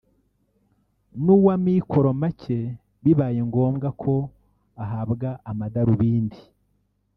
n’uw’amikoro make bibaye ngombwa ko ahabwa amadarubindi